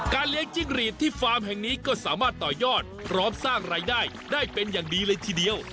เลี้ยงจิ้งหรีดที่ฟาร์มแห่งนี้ก็สามารถต่อยอดพร้อมสร้างรายได้ได้เป็นอย่างดีเลยทีเดียว